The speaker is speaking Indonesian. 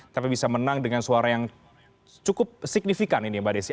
tapi bisa menang dengan suara yang cukup signifikan ini mbak desi